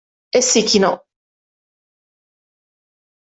E si chinò.